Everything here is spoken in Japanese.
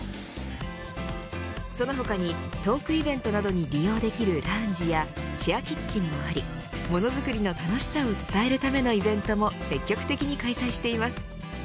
その他に、トークイベントなどに利用できるラウンジやシェアキッチンもありものづくりの楽しさを伝えるためのイベントも積極的に開催しています。